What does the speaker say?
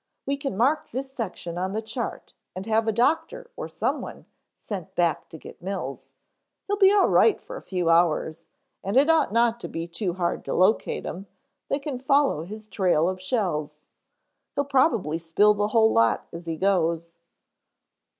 We can mark this section on the chart and have a doctor or someone sent back to get Mills. He'll be all right for a few hours and it ought not to be hard to locate him, they can follow his trail of shells. He'll probably spill the whole lot as he goes."